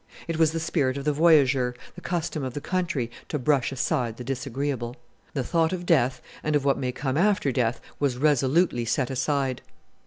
It was the spirit of the voyageur, the custom of the country, to brush aside the disagreeable. The thought of death and of what may come after death was resolutely set aside.